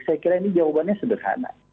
saya kira ini jawabannya sederhana